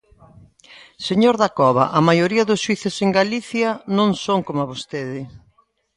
Señor Dacova, a maioría dos xuíces en Galicia non son coma vostede.